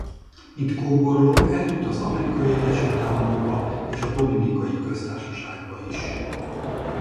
Mint kóborló eljut az Amerikai Egyesült Államokba és a Dominikai Köztársaságba is.